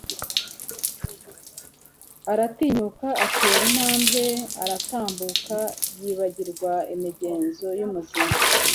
Aratinyuka, atera intambwe aratambuka. Yibagirwa imigenzo yamuzigaga,